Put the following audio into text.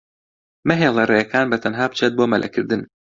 مەهێڵە ڕێکان بەتەنها بچێت بۆ مەلەکردن.